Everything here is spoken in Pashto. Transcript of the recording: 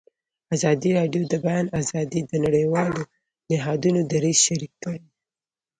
ازادي راډیو د د بیان آزادي د نړیوالو نهادونو دریځ شریک کړی.